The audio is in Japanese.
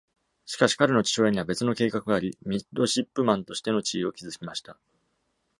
しかし、彼の父親には別の計画があり、ミッドシップマンとしての地位を築きました。